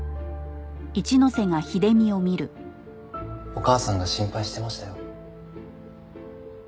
お母さんが心配してましたよ。